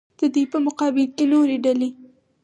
د دوی په مقابل کې نورې ډلې.